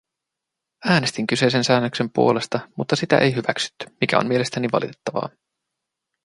Äänestin kyseisen säännöksen puolesta, mutta sitä ei hyväksytty, mikä on mielestäni valitettavaa.